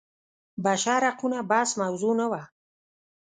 بشر حقونه بحث موضوع نه وه.